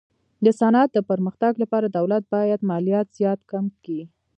د صنعت د پرمختګ لپاره دولت باید مالیات زیات کم کي.